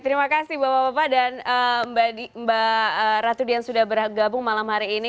terima kasih bapak bapak dan mbak ratu dian sudah bergabung malam hari ini